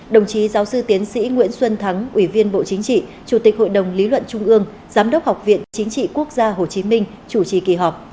đồng chí giáo sư tiến sĩ nguyễn xuân thắng ủy viên bộ chính trị chủ tịch hội đồng lý luận trung ương giám đốc học viện chính trị quốc gia hồ chí minh chủ trì kỳ họp